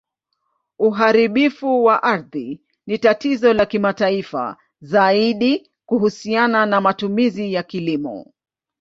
Uharibifu wa ardhi ni tatizo la kimataifa, zaidi kuhusiana na matumizi ya kilimo.